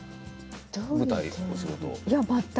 舞台の仕事？